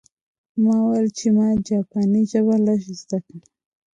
ما وویل چې ما جاپاني ژبه لږه زده وه